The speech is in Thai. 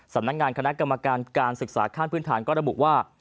สำนักงานคณะกรรมการการศึกษาขั้นพื้นฐานก็ระบุว่า